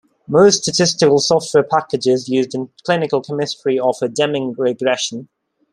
Most statistical software packages used in clinical chemistry offer Deming regression.